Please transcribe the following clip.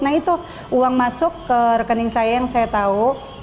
nah itu uang masuk ke rekening saya yang saya tahu